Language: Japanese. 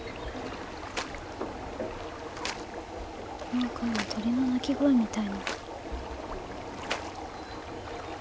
なんか鳥の鳴き声みたいな。